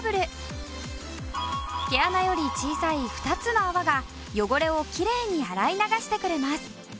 毛穴より小さい２つの泡が汚れをきれいに洗い流してくれます。